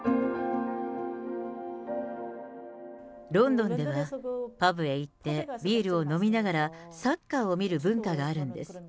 ロンドンでは、パブへ行って、ビールを飲みながらサッカーを見る文化があるんです。